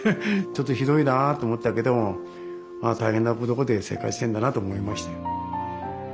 ちょっとひどいなと思ったけどもああ大変なところで生活してんだなと思いましたよ。